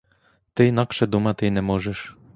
Ти інакше думати й не можеш.